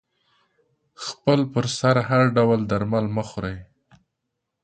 خپل پر سر هر ډول درمل مه خوری